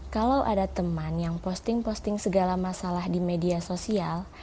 kalau ada teman yang posting posting segala masalah di media sosial